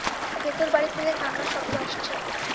ভেতরবাড়ি থেকে কান্নার শব্দ আসছে।